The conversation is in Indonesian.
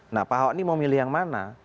nah pak ahok ini mau milih yang mana